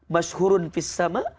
mas hurun fis sama